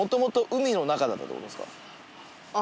あ。